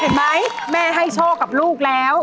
เห็นไหมแม่ให้โชคกับลูกแล้ว